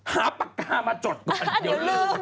หาปากกามาจดก่อนเดี๋ยวลืม